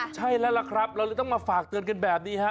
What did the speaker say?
ใช่แล้วล่ะครับเราเลยต้องมาฝากเตือนกันแบบนี้ฮะ